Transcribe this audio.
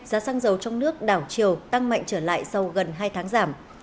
giá xăng dầu trong nước đảo chiều tăng mạnh trở lại sau gần hai tháng giảm